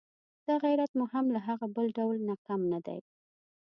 دا غیرت مو هم له هغه بل ډول نه کم نه دی.